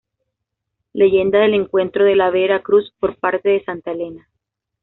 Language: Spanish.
Leyenda del encuentro de la Vera Cruz por parte de Santa Elena.